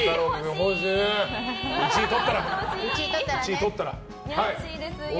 １位とったらね。